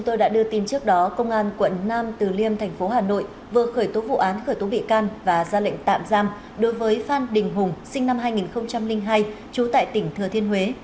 tôi đã đưa tin trước đó công an quận nam từ liêm thành phố hà nội vừa khởi tố vụ án khởi tố bị can và ra lệnh tạm giam đối với phan đình hùng sinh năm hai nghìn hai trú tại tỉnh thừa thiên huế